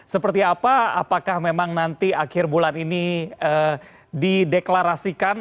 seperti apa apakah memang nanti akhir bulan ini dideklarasikan